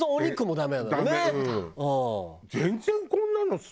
ダメ？